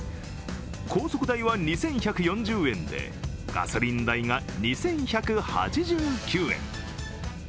高速代は２１４０円でガソリン代が２１８９円。